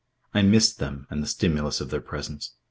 I missed them and the stimulus of their presence.